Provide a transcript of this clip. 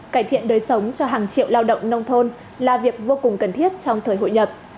cải thiện đời sống cho hàng triệu lao động nông thôn là việc vô cùng cần thiết trong thời hội nhập